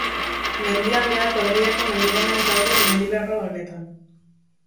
Mendialdea kuadrillako mendiguneak daude mendilerro honetan.